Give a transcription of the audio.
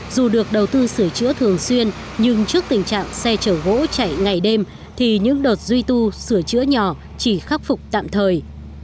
dù được đầu tư sửa chữa thường xuyên nhưng trước tình trạng xe chở gỗ chạy ngày đêm thì những đợt duy tu sửa chữa nhỏ chỉ khắc phục tạm thời